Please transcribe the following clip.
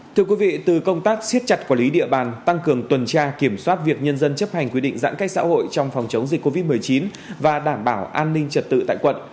thưa quý vị từ công tác xiết chặt quản lý địa bàn tăng cường tuần tra kiểm soát việc nhân dân chấp hành quy định giãn cách xã hội trong phòng chống dịch covid một mươi chín và đảm bảo an ninh trật tự tại quận